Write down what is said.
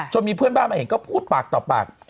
มีเพื่อนบ้านมาเห็นก็พูดปากต่อปาก